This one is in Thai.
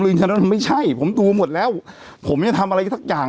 ยืนยันตั้งแต่ไม่ใช่ผมดูหมดแล้วผมไม่ได้ทำอะไรทักอย่าง